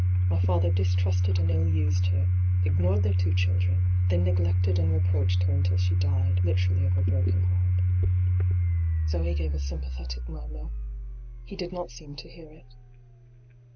My father distrusted and ill used her ; ignored their two children ; then neglected and reproached her until she died, literally of a broken heart.' Zoe gave a sympathetic murmur. He did not seem to hear it.